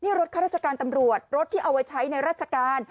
นี่รถข้าราชการตำรวจรถที่เอาไว้ใช้ในราชการ